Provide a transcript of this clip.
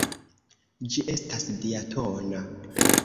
Ĝi estas diatona.